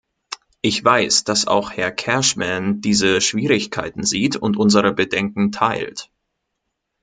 Ich weiß, dass auch Herr Cashman diese Schwierigkeiten sieht und unsere Bedenken teilt.